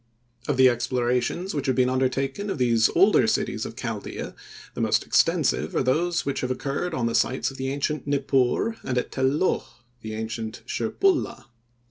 Of the explorations which have been undertaken of these older cities of Chaldea, the most extensive are those which have occurred on the sites of the ancient Nippur and at Tel Loh, the ancient Shirpulla.